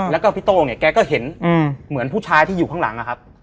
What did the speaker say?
แล้วก็พี่โต้งเนี่ยแกก็เห็นเหมือนผู้ชายที่อยู่ข้างหลังนะครับ